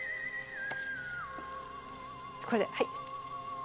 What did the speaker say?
これではい。